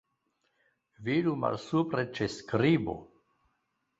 Vidu malsupre ĉe skribo.